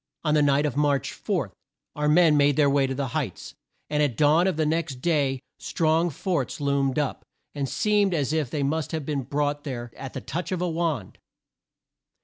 On the night of March 4, our men made their way to the Heights, and at dawn of the next day strong forts loomed up, and seemed as if they must have been brought there at the touch of a wand.